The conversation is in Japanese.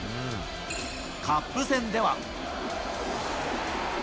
カップ戦では。